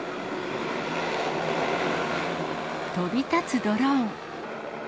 飛び立つドローン。